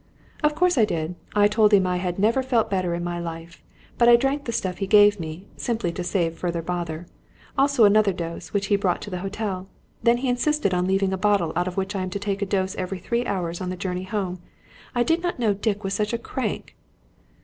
"Of course I did. I told him I had never felt better in my life. But I drank the stuff he gave me, simply to save further bother; also another dose which he brought to the hotel. Then he insisted on leaving a bottle out of which I am to take a dose every three hours on the journey home. I did not know old Dick was such a crank."